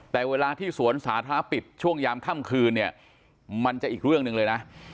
แต่เวลาที่สวนสาธารณะปิดช่วงยามค่ำคืนเนี่ยมันจะอีกเรื่องหนึ่งเลยนะ